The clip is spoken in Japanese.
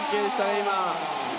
今。